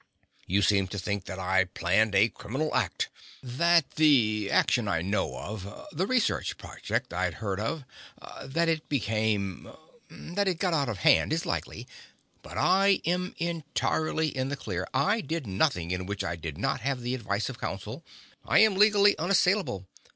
You seem to think that I planned a criminal act. That the action I know of—the research project I'd heard of—that it became—that it got out of hand is likely. But I am entirely in the clear. I did nothing in which I did not have the advice of counsel. I am legally unassailable.